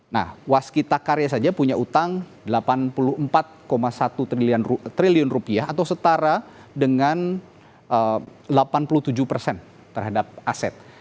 nah waskita karya saja punya utang delapan puluh empat satu triliun rupiah atau setara dengan delapan puluh tujuh persen terhadap aset